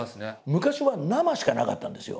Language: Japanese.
昔は生しかなかったんですよ。